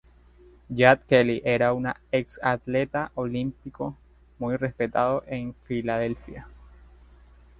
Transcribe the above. Jack Kelly era un exatleta olímpico muy respetado en Filadelfia.